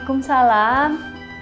kamu sebentar lagi pulang